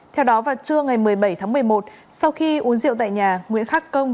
theo đó vào trưa ngày một mươi bảy tháng một mươi một sau khi uống rượu tại nhà nguyễn khắc công